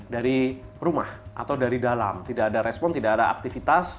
dari rumah atau dari dalam tidak ada respon tidak ada aktivitas